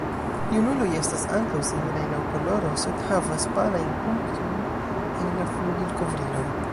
Junuloj estas ankaŭ similaj laŭ koloro, sed havas palajn punktojn en la flugilkovriloj.